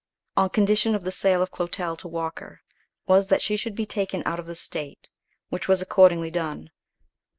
One condition of the sale of Clotel to Walker was, that she should be taken out of the state, which was accordingly done.